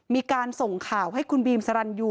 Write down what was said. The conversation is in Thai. มีการส่งข่าวให้คุณบีมสรรยู